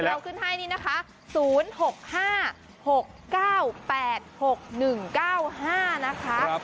เราขึ้นให้นี่นะคะ๐๖๕๖๙๘๖๑๙๕นะคะ